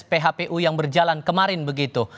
phpu yang berjalan kemarin begitu